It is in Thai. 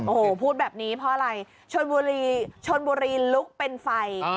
โอ้โหพูดแบบนี้เพราะอะไรชนบุรีชนบุรีลุกเป็นไฟ